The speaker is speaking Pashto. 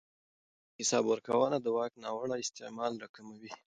اداري حساب ورکونه د واک ناوړه استعمال راکموي